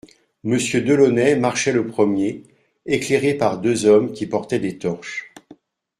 Monsieur de Launay marchait le premier, éclairé par deux hommes qui portaient des torches.